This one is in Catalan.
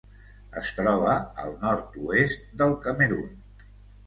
Es troba al nord-oest del Camerun.